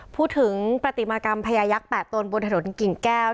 พูดถึงปฏิมากรรมพญายักษ์๘ตนบนถนนกิ่งแก้ว